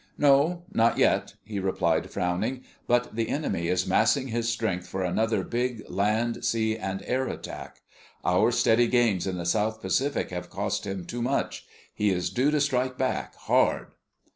"No, not yet," he replied, frowning. "But the enemy is massing his strength for another big land, sea, and air attack. Our steady gains in the South Pacific have cost him too much. He is due to strike back, hard."